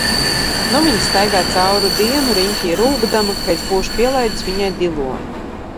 Nu viņa staigā cauru dienu riņķī rūkdama, ka es būšu pielaidis viņai diloni.